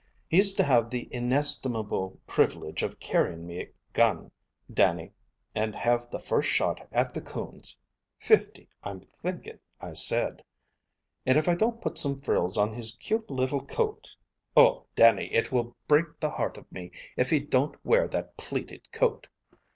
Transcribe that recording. He's to have the inestimable privilege of carryin' me gun, Dannie, and have the first shot at the coons, fifty, I'm thinkin' I said. And if I don't put some frills on his cute little coat! Oh, Dannie, it will break the heart of me if he don't wear that pleated coat!"